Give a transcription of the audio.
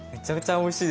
おいしい？